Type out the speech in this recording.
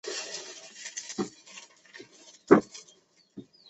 他亦持有美国工商管理硕士学位。